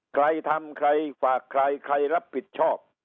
ใครทำใครฝากใครใครรับผิดชอบ